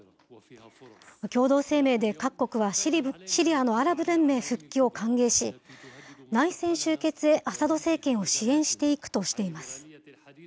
共同声明で各国は、シリアのアラブ連盟復帰を歓迎し、内戦終結へアサド政権を支援していくとしています。